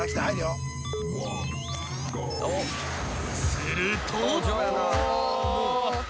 ［すると］